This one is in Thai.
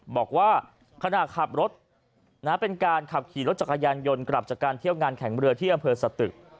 บอกว่าขณะขับรถเป็นการขับขี่รถจักรยานยนต์กลับจากการเที่ยวงานแข่งเรือที่อำเภอสตึก